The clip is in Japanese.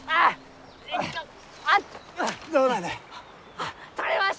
あっ採れました！